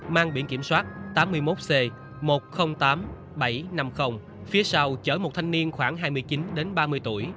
mang biển kiểm soát tám mươi một c một trăm linh tám bảy trăm năm mươi phía sau chở một thanh niên khoảng hai mươi chín đến ba mươi tuổi